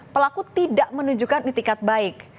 pelaku tidak menunjukkan itikat baik